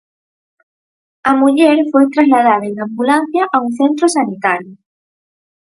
A muller foi trasladada en ambulancia a un centro sanitario.